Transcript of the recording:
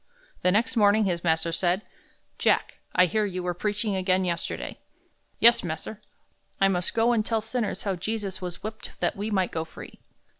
The next morning his master said, "Jack, I hear you were preaching again yesterday." "Yes, mas'r. I must go and tell sinners how Jesus was whipped that we might go free."